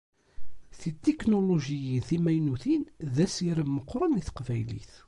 Titiknulujiyin timaynutin, d asirem meqqren i teqbaylit.